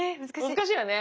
難しいよね。